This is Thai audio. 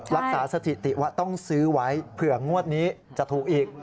สถิติว่าต้องซื้อไว้เผื่องวดนี้จะถูกอีก